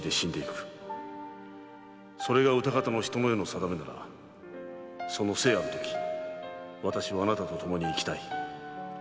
「それがうたかたの人の世の運命ならその生あるとき私はあなたと共に生きたい」